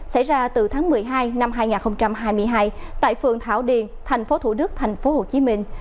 xảy ra từ tháng một mươi hai năm hai nghìn hai mươi hai tại phường thảo điền thành phố thủ đức thành phố hồ chí minh